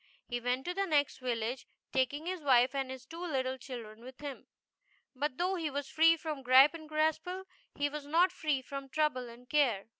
He went to the next village, taking his wife and his two little children with him. But though he was free from Gripe and Graspall she was not free from trouble and care.